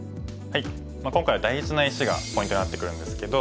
今回は大事な石がポイントになってくるんですけど。